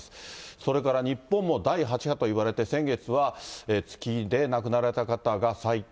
それから日本も第８波といわれて、先月は月で亡くなられた方が最多。